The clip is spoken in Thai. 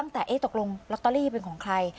ตกลงลอตเตอรี่เป็นของใคร